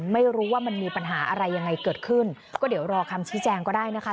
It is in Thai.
ไม่รู้ว่ามันมีปัญหาอะไรยังไงเกิดขึ้นก็เดี๋ยวรอคำชี้แจงก็ได้นะคะ